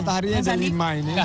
hari ini ada lima ini